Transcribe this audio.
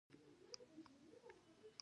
په پريوتو ديوالونو کښ دفن شول